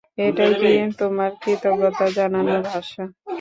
এটাই কি তোমার কৃতজ্ঞতা জানানোর ভাষা?